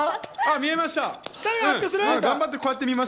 見えました。